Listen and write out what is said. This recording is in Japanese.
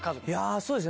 そうですね